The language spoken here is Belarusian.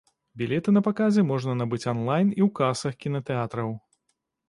Білеты на паказы можна набыць анлайн і ў касах кінатэатраў.